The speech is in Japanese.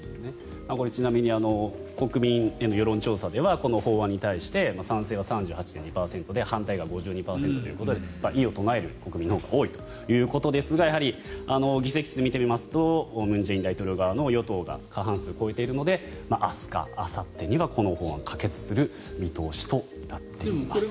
ちなみに国民への世論調査ではこの法案に対して賛成は３８．２％で反対は５２．１％ということで異を唱える国民のほうが多いということですがやはり議席数を見てみますと文在寅大統領側の与党が過半数を超えているので明日かあさってにはこの法案可決する見通しとなっています。